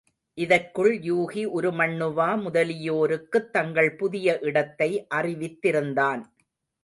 இதற்குள் யூகி, உருமண்ணுவா முதலியோருக்குத் தங்கள் புதிய இடத்தை அறிவித்திருந்தான்.